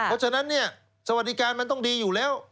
เพราะฉะนั้นเนี่ยสวัสดิการมันต้องดีอยู่แล้ว